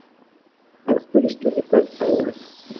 او خپلې ستونزې تاسو ته ووايي